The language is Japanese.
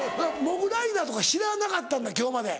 モグライダーとか知らなかったんだ今日まで。